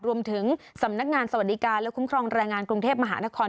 รวมถึงสำนักงานสวัสดิการและคุ้มครองแรงงานกรุงเทพมหานคร